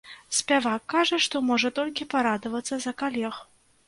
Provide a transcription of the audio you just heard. Спявак кажа, што можа толькі парадавацца за калег.